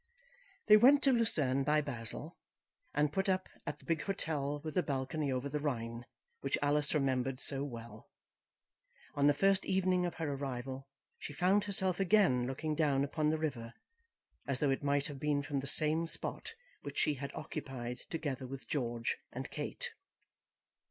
They went to Lucerne by Basle, and put up at the big hotel with the balcony over the Rhine, which Alice remembered so well. On the first evening of her arrival she found herself again looking down upon the river, as though it might have been from the same spot which she had occupied together with George and Kate.